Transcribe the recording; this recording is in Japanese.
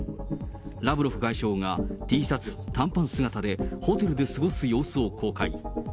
ラブロフ外相が、Ｔシャツ、短パン姿でホテルで過ごす様子を公開。